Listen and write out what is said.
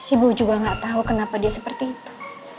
ibu juga gak tahu kenapa dia seperti itu